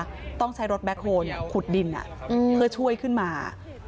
ต้องใช้รถแบ็คโฮลขุดดินเพื่อช่วยขึ้นมา